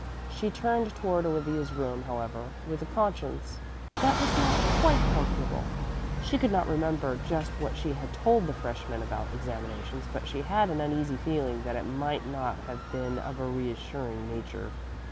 She turned toward Olivia's room, however, with a conscience that was not quite comfortable. She could not remember just what she had told those freshmen about examinations, but she had an uneasy feeling that it might not have been of a reassuring nature.